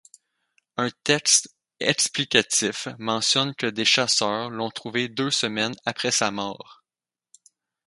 Un texte explicatif mentionne que des chasseurs l'ont trouvé deux semaines après sa mort.